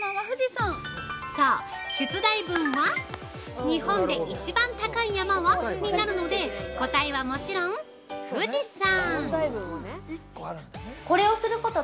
◆そう、出題文は「日本で一番高い山は？」になるので答えは、もちろん「富士山」！